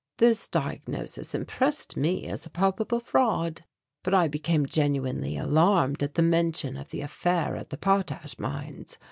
This diagnosis impressed me as a palpable fraud, but I became genuinely alarmed at the mention of the affair at the potash mines.